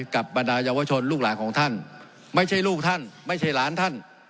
บรรดาเยาวชนลูกหลานของท่านไม่ใช่ลูกท่านไม่ใช่หลานท่าน